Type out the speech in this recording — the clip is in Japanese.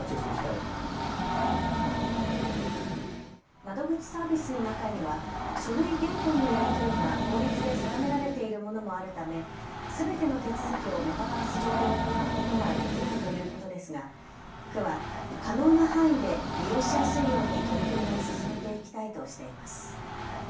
窓口サービスの中には書類原本のやり取りが法律で定められているものもあるため、すべての手続きをメタバース上で行うことはできないということですが区は可能な範囲で利用しやすいように取り組みを進めていきたいとしています。